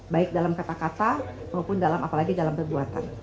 baik dalam kata kata maupun dalam apalagi dalam perbuatan